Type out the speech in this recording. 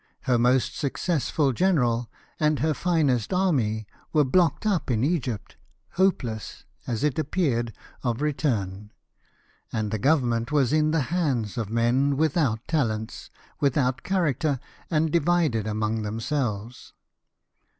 Her most successful general and her finest army were blocked up in Egypt, hopeless, as it appeared, of return; and the government was in the hands of men without talents, without character, and divided among themselves.